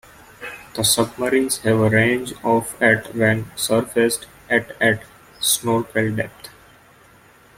The submarines have a range of at when surfaced, at at snorkel depth.